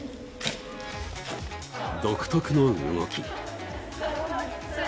独特の動き。